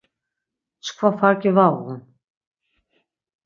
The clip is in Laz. Çkva farki var uğun.